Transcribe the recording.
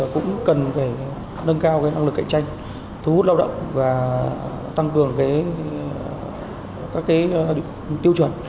cũng cần phải nâng cao năng lực cạnh tranh thu hút lao động và tăng cường các tiêu chuẩn